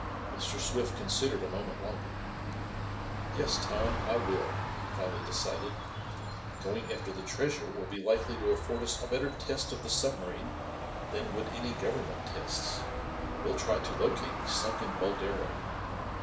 Mr. Swift considered a moment longer. "Yes, Tom, I will," he finally decided. "Going after the treasure will be likely to afford us a better test of the submarine than would any Government tests. We'll try to locate the sunken Boldero."